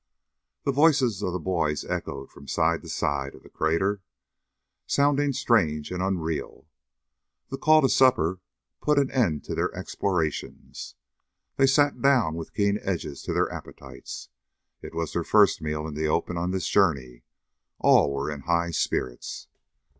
The voices of the boys echoed from side to side of the crater, sounding strange and unreal. The call to supper put an end to their explorations. They sat down with keen edges to their appetites. It was their first meal in the open on this journey. All were in high spirits.